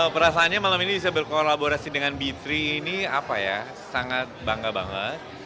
perasaannya malam ini bisa berkolaborasi dengan b tiga ini apa ya sangat bangga banget